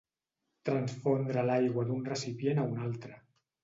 Transfondre l'aigua d'un recipient a un altre.